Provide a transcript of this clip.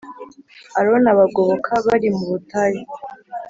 Aroni abagoboka bari mu butayu